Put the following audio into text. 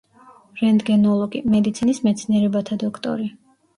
რენტგენოლოგი, მედიცინის მეცნიერებათა დოქტორი.